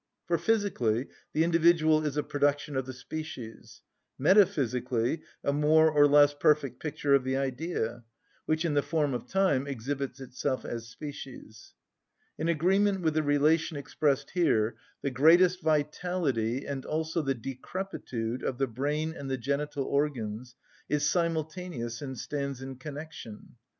For physically the individual is a production of the species, metaphysically a more or less perfect picture of the Idea, which, in the form of time, exhibits itself as species. In agreement with the relation expressed here, the greatest vitality, and also the decrepitude of the brain and the genital organs, is simultaneous and stands in connection.